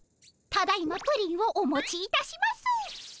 ただいまプリンをお持ちいたします。